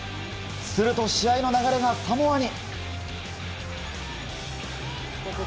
すると試合の流れはサモアに。